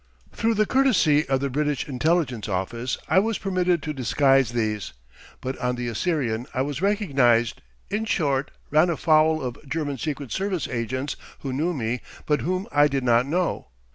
Through the courtesy of the British Intelligence Office I was permitted to disguise these; but on the Assyrian I was recognized in short, ran afoul of German Secret Service agents who knew me, but whom I did not know.